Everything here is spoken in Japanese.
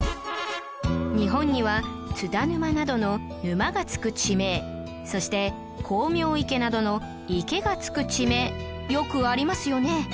日本には津田沼などの「沼」が付く地名そして光明池などの「池」が付く地名よくありますよね